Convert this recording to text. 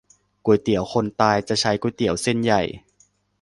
ก๋วยเตี๋ยวคนตาย จะใช้ก๋วยเตี๋ยวเส้นใหญ่